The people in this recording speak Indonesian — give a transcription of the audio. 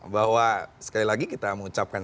bahwa sekali lagi kita mengucapkan